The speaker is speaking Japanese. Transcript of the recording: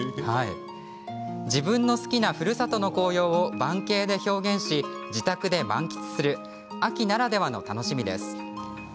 自分の好きなふるさとの紅葉を盤景で表現し、自宅で満喫する秋ならではの楽しみです。